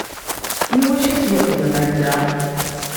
I wacu i as-yexdem akka?